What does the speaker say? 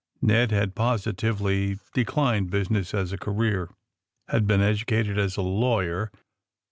Ned, having positively declined busi ness as a career, had been educated as a lawyer.